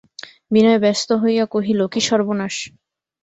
বিনয় ব্যস্ত হইয়া কহিল, কী সর্বনাশ!